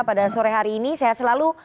pada sore hari ini sehat selalu